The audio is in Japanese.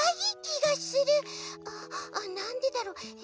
ああなんでだろう？え。